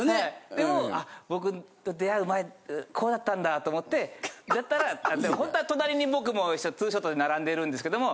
でも僕と出会う前ってこうだったんだと思ってやったら本当は隣に僕もツーショットで並んでるんですけども。